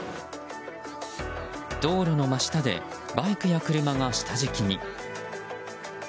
道路の真下でバイクや車が下敷きに。